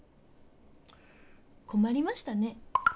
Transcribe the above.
コマりましたね。